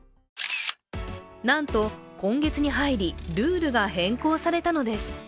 なんと今月に入り、ルールが変更されたのです。